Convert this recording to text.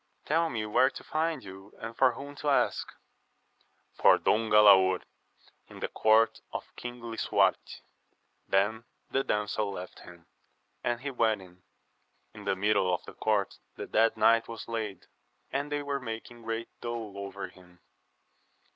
Tell me where to find you, and for whom to ask. — For Don Galaor, in the court of King Lisuarte. Then the damsel left him, and he went in. In the middle of the court the dead knight was laid, and they were making great dole over him.